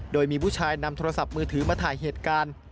โดยมีผู้ชายนำโทรศัพท์มือถือมาถ่ายเหตุการณ์